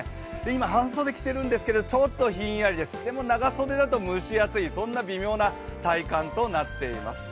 今、半袖着ているんですけど、ちょっとひんやりです、長袖だと蒸し暑い、そんな体感となっています。